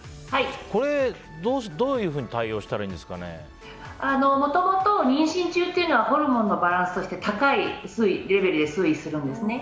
これ、どういうふうにもともと妊娠中というのはホルモンのバランスが高いレベルで推移するんですね。